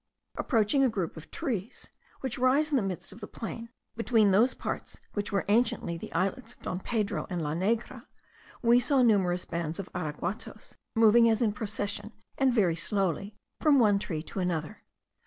Approaching a group of trees, which rise in the midst of the plain, between those parts which were anciently the islets of Don Pedro and La Negra, we saw numerous bands of araguatos moving as in procession and very slowly, from one tree to another.